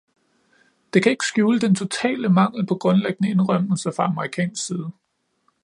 Den kan ikke skjule den totale mangel på grundlæggende indrømmelser fra amerikansk side.